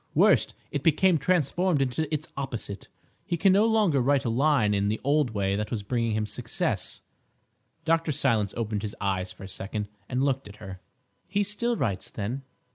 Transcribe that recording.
Worse, it became transformed into its opposite. He can no longer write a line in the old way that was bringing him success—" Dr. Silence opened his eyes for a second and looked at her. "He still writes, then?